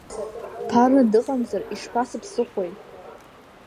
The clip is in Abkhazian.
Ԥарна дыҟамзар ишԥасыԥсыхәоу?